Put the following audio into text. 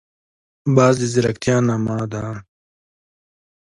باز د ځیرکتیا نماد دی